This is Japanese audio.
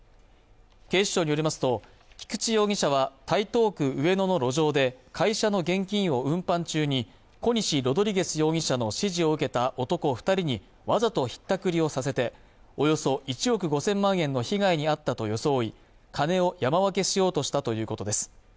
警視庁によりますと菊地容疑者は台東区上野の路上で会社の現金を運搬中にコニシ・ロドリゲス容疑者の指示を受けた男二人にわざとひったくりをさせておよそ１億５０００万円の被害にあったと装い金を山分けしようとしたということです